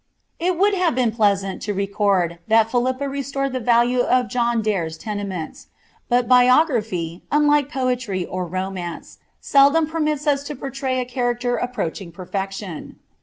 It wonld hsTe been pleasant to record that Philippa restored the value of John Daire's tenements. But biography, unlike poetry or romance, iridom permits us to portray a character approaching perfection.